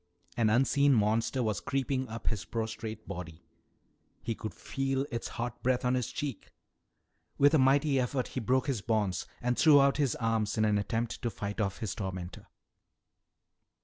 An unseen monster was creeping up his prostrate body. He could feel its hot breath on his cheek. With a mighty effort he broke his bonds and threw out his arms in an attempt to fight off his tormentor.